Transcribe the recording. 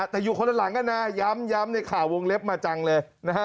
แต่อยู่คนละหลังกันนะย้ำในข่าววงเล็บมาจังเลยนะฮะ